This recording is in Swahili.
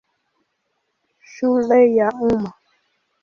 Shule ya Umma.